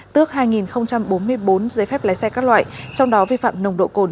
tước hai bốn mươi bốn giấy phép lái xe các loại trong đó vi phạm nồng độ cồn